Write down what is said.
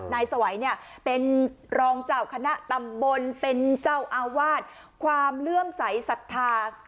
สวัยเนี่ยเป็นรองเจ้าคณะตำบลเป็นเจ้าอาวาสความเลื่อมใสสัทธา